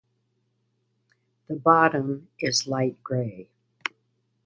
The bottom is light gray.